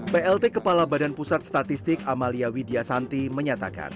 plt kepala badan pusat statistik amalia widya santi menyatakan